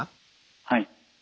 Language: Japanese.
はい。